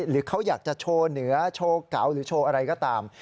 หรือเขาอยากจะโชว์เหนือโชว์เก่าหรือโชว์อะไรก็ตาม